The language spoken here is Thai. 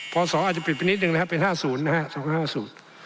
สอสออาจจะปิดไปนิดนึงนะครับเป็น๕๐นะครับ